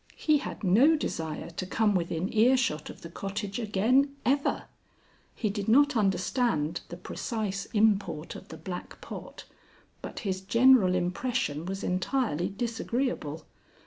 He had no desire to come within earshot of the cottage again ever. He did not understand the precise import of the black pot, but his general impression was entirely disagreeable.